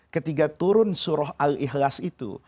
ketika turun surah al ikhlas itu